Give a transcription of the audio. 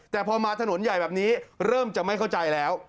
แต่พอมาถนนใหญ่แบบนี้เริ่มจะไม่เข้าใจแล้ว